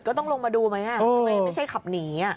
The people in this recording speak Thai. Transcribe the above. ก็ต้องลงมาดูมั้ยอ่ะไม่ใช่ขับหนีอ่ะ